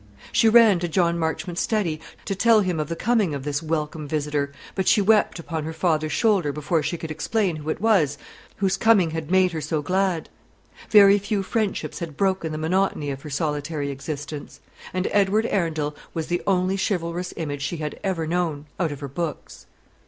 She ran to John Marchmont's study to tell him of the coming of this welcome visitor; but she wept upon her father's shoulder before she could explain who it was whose coming had made her so glad. Very few friendships had broken the monotony of her solitary existence; and Edward Arundel was the only chivalrous image she had ever known, out of her books.